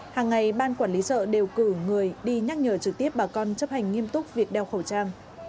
hàng ngày ban quản lý chợ đều cử người đi nhắc nhở trực tiếp bà con chấp hành nghiêm túc việc đeo khẩu trang